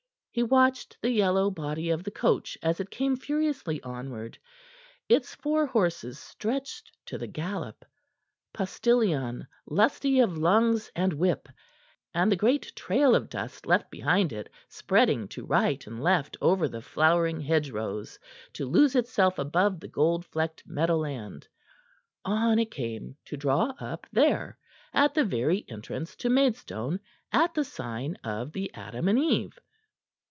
He watched the yellow body of the coach as it came furiously onward, its four horses stretched to the gallop, postillion lusty of lungs and whip, and the great trail of dust left behind it spreading to right and left over the flowering hedge rows to lose itself above the gold flecked meadowland. On it came, to draw up there, at the very entrance to Maidstone, at the sign of the "Adam and Eve."